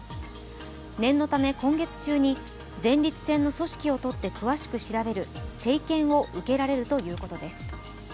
念のため今月中に前立腺の組織を取って詳しく調べる生検を受けられるということです。